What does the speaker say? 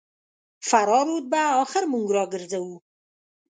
فراه رود به اخر موږ راګرځوو.